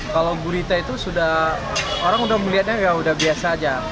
kalau gurita itu sudah orang sudah melihatnya ya udah biasa aja